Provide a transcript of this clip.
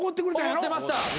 おごってました。